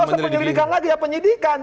ya iya nggak usah penyelidikan lagi ya penyidikan